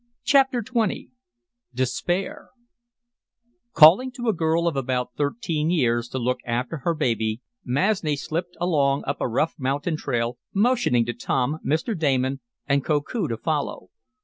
Chapter XX Despair Calling to a girl of about thirteen years to look after her baby, Masni slipped along up a rough mountain trail, motioning to Tom, Mr. Damon and Koku to follow.